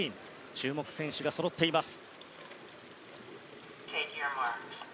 注目選手がそろっています。